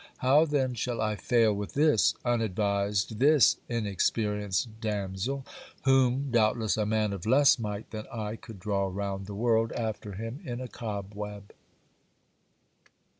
How then shall I fail with this unadvised, this inexperienced damsel, whom doubtless a man of less might than I could draw round the world after him in a cobweb.